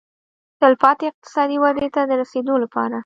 تلپاتې اقتصادي ودې ته د رسېدو لپاره.